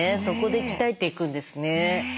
そこで鍛えていくんですね。